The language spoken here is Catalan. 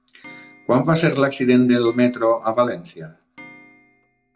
Quan va ser l'accident del metro a València?